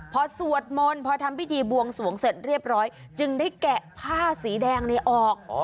พอสวดมนต์พอทำพิธีบวงสวงเสร็จเรียบร้อยจึงได้แกะผ้าสีแดงนี้ออก